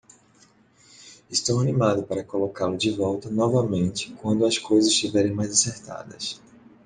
Estou animado para colocá-lo de volta novamente quando as coisas estiverem mais acertadas.